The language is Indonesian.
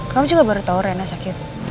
kamu juga baru tau rena sakit